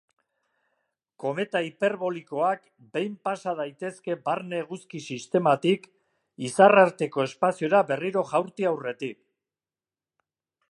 Kometa hiperbolikoak behin pasa daitezke barne Eguzki Sistematik izarrarteko espaziora berriro jaurti aurretik.